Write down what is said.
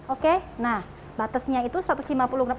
oke nah batasnya itu satu ratus lima puluh gram